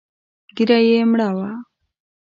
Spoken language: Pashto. ږيره يې مړه وه.